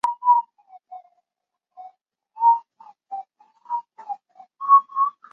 曹爽兄弟最终都决定向司马懿投降。